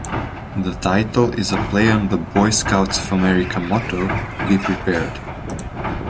The title is a play on the Boy Scouts of America motto "Be Prepared".